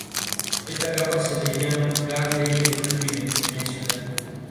Esta capa se la llama gas de electrones bidimensional.